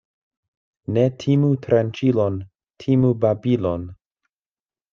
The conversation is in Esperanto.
Ne timu tranĉilon, timu babilon.